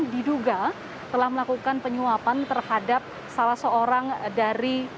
diduga telah melakukan penyuapan terhadap salah seorang dari